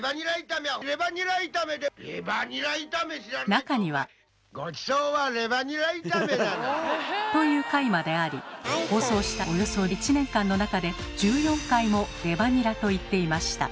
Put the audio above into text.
中には。という回まであり放送したおよそ１年間の中で１４回も「レバニラ」と言っていました。